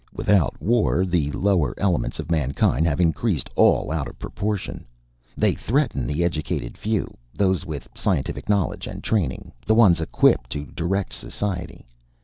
"Without war the lower elements of mankind have increased all out of proportion. They threaten the educated few, those with scientific knowledge and training, the ones equipped to direct society.